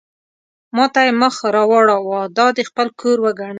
ما ته یې مخ را واړاوه: دا دې خپل کور وګڼه.